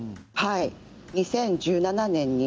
２０１７年に。